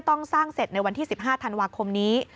ต้องสร้างเสร็จในวันที่๑๕ธันวาคมนี้